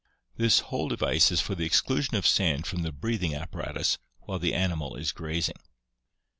This whole device is for the exclusion of sand from the breathing apparatus while the animal is grazing.